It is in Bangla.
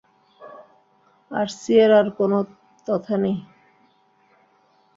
আর সিয়েরার কোনো তথ্য নেই।